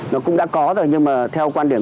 nó cũng đã có rồi nhưng mà theo quan điểm